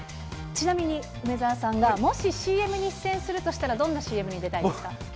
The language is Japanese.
ちなみに、梅澤さんがもしＣＭに出演するとしたら、どんなＣＭに出たいです